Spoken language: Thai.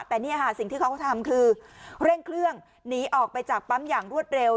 แต่เนี่ยค่ะสิ่งที่เขาทำคือเร่งเครื่องหนีออกไปจากปั๊มอย่างรวดเร็ว